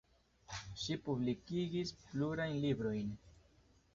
Ŝi publikigis plurajn librojn.